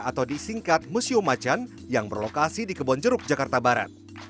atau disingkat museum macan yang berlokasi di kebonjeruk jakarta barat